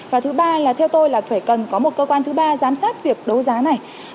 và thứ ba là theo tôi là phải cần có một cơ quan thứ ba giám sát việc đấu giá này